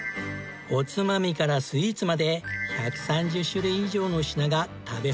おつまみからスイーツまで１３０種類以上の品が食べ放題。